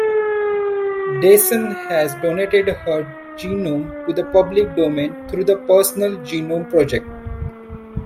Dyson has donated her genome to the public domain through the Personal Genome Project.